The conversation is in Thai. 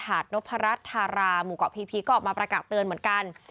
ดนพรัชธาราหมู่เกาะพีพีก็ออกมาประกาศเตือนเหมือนกัน